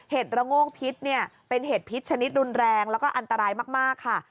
ระโงกพิษเนี่ยเป็นเห็ดพิษชนิดรุนแรงแล้วก็อันตรายมากค่ะ